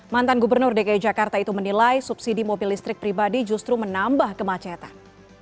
mantan gubernur dki jakarta itu menilai subsidi mobil listrik pribadi justru menambah kemacetan